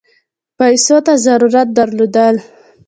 پیسو ته ضرورت درلود.